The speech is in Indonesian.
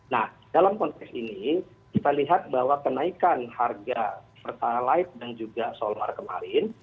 nah dalam konteks ini kita lihat bahwa kenaikan harga pertalite dan juga solar kemarin